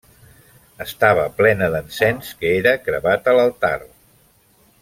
Estava plena d'encens que era cremat a l'altar.